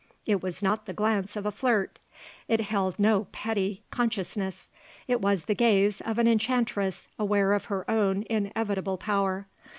It was not the glance of a flirt; it held no petty consciousness; it was the gaze of an enchantress aware of her own inevitable power.